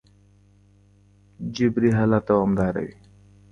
جبري حالت دوامداره وي.